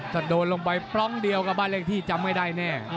ถ้าโดนลงไปปล้องเดียวกับบ้านเลขที่จำไม่ได้แน่